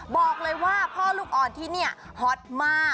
บอกเลยว่าพ่อลูกอ่อนที่นี่ฮอตมาก